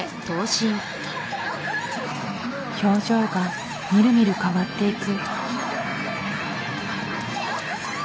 表情がみるみる変わっていく。